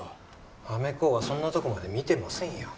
アメ公はそんなとこまで見てませんよ